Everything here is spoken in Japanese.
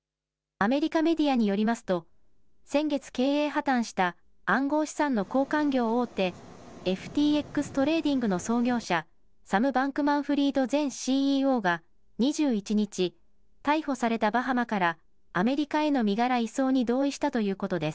アメリカメディアによりますと先月、経営破綻した暗号資産の交換業大手、ＦＴＸトレーディングの創業者、サム・バンクマンフリード前ＣＥＯが２１日、逮捕されたバハマからアメリカへの身柄移送に同意したということです。